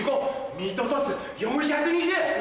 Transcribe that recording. ミートソース４２０！